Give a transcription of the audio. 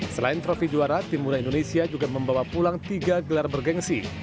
selain trofi juara tim muda indonesia juga membawa pulang tiga gelar bergensi